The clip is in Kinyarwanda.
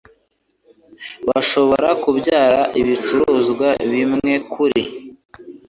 Bashobora kubyara ibicuruzwa bimwe kuri